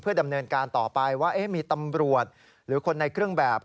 ดำเนินการต่อไปว่ามีตำรวจหรือคนในเครื่องแบบ